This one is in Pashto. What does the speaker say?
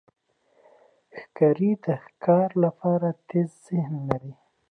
ښکاري د ښکار لپاره تېز ذهن لري.